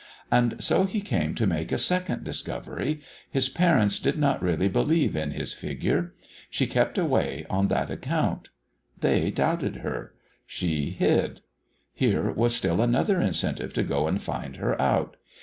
And so he came to make a second discovery: His parents did not really believe in his Figure. She kept away on that account. They doubted her; she hid. Here was still another incentive to go and find her out.